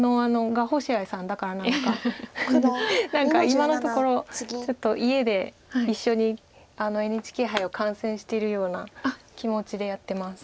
今のところちょっと家で一緒にＮＨＫ杯を観戦しているような気持ちでやってます。